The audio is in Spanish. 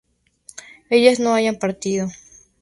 ellas no hayan partido